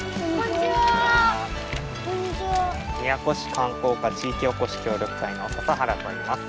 宮古市観光課地域おこし協力隊の笹原といいます。